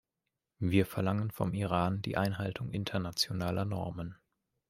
Wir verlangen vom Iran die Einhaltung internationaler Normen.